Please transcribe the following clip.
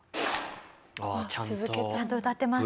続きをちゃんと歌ってます。